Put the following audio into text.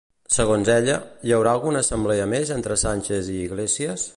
Segons ella, hi haurà alguna assemblea més entre Sánchez i Iglesias?